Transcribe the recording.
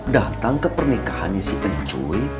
datang ke pernikahannya si pencue